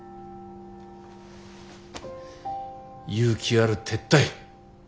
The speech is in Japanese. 勇気ある撤退。